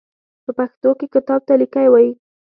په پښتو کې کتاب ته ليکی وايي.